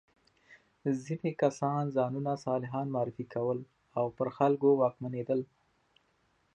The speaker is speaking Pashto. ځینې کسان ځانونه صالحان معرفي کول او پر خلکو واکمنېدل.